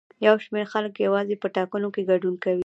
یو شمېر خلک یوازې په ټاکنو کې ګډون کوي.